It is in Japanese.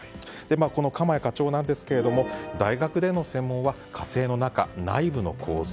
鎌谷課長なんですが大学での専門は火星の中、内部の構造。